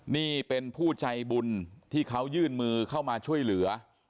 นี่เป็นผู้ใจบุญที่เขายื่นมือเข้ามาช่วยเหลือ